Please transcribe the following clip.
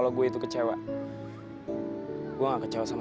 apakah itu tidak komitmen dengan pemenangnya